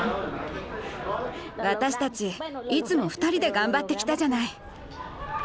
私たちいつも２人で頑張ってきたじゃない。